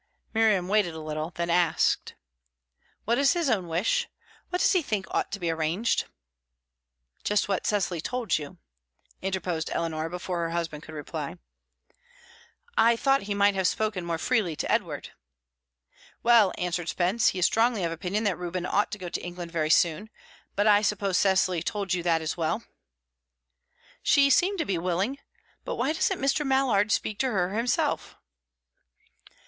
Miriam waited a little, then asked: "What is his own wish? What does he think ought to be arranged?" "Just what Cecily told you," interposed Eleanor, before her husband could reply. "I thought he might have spoken more freely to Edward." "Well," answered Spence, "he is strongly of opinion that Reuben ought to go to England very soon. But I suppose Cecily told you that as well?" "She seemed to be willing. But why doesn't Mr. Mallard speak to her himself?"